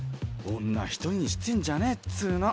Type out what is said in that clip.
女一人にしてんじゃねえっつうの。